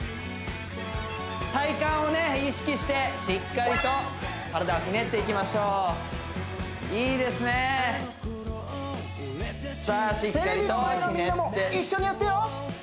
体幹をね意識してしっかりと体をひねっていきましょういいですねさあしっかりとひねってテレビの前のみんなも一緒にやってよ